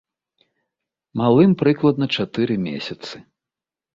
Малым прыкладна чатыры месяцы.